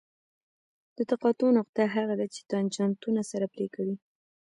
د تقاطع نقطه هغه ده چې تانجانتونه سره پرې کوي